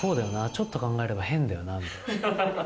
ちょっと考えれば変だよなって。